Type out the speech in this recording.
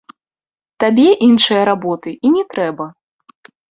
Табе іншае работы і не трэба.